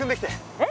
えっ？